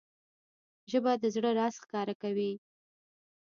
ژبه د زړه راز ښکاره کوي